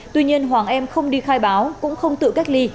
tuy nhiên hoàng em không đi khai báo cũng không tự cách ly